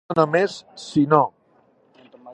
No només... sinó.